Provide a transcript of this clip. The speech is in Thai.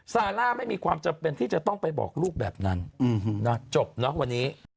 ซาร่าไม่มีความจำเป็นที่จะต้องไปบอกลูกแบบนั้นนะจบเนอะวันนี้